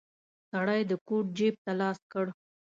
سړی د کوټ جيب ته لاس کړ.